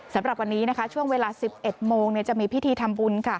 สำหรับวันนี้ช่วงเวลา๑๑โมงจะมีพิธีทำบุญ